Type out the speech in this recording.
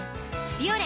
「ビオレ」